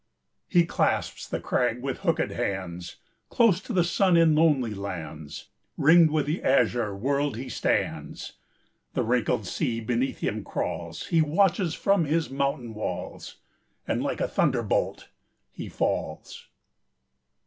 He clasps the crag with hooked hands; Close to the sun in lonely lands, Ring'd with the azure world, he stands. The wrinkled sea beneath him crawls; He watches from his mountain walls, And like a thunderbolt he falls.